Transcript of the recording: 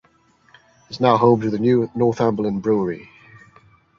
It is now home to the Northumberland Brewery.